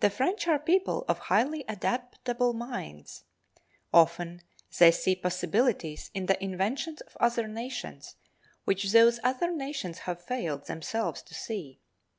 The French are people of highly adaptable minds; often they see possibilities in the inventions of other nations which those other nations have failed themselves to see.